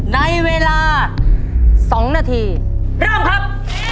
ในเวลา๒นาทีเริ่มครับ